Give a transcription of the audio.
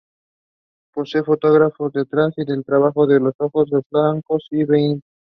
Posee fotóforos detrás y debajo de los ojos, en los flancos y el vientre.